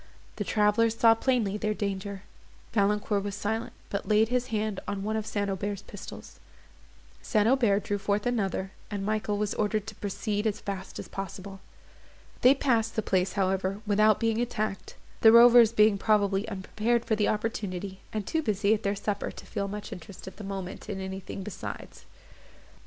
The travellers saw plainly their danger. Valancourt was silent, but laid his hand on one of St. Aubert's pistols; St. Aubert drew forth another, and Michael was ordered to proceed as fast as possible. They passed the place, however, without being attacked; the rovers being probably unprepared for the opportunity, and too busy about their supper to feel much interest, at the moment, in anything besides.